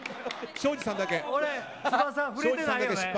庄司さんだけ失敗。